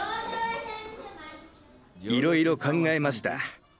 いろいろ考えました。